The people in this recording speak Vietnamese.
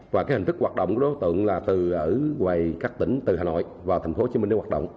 và hình thức hoạt động của đối tượng là từ các tỉnh từ hà nội vào thành phố hồ chí minh đi hoạt động